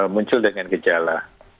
muncul dengan gejala